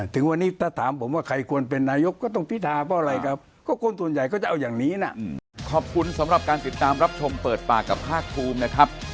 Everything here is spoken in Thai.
ถึงวันนี้ถ้าถามผมว่าใครควรเป็นนายกก็ต้องพิธาเปล่าอะไรครับ